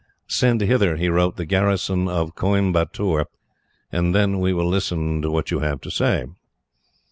"Send hither," he wrote, "the garrison of Coimbatoor, and then we will listen to what you have to say."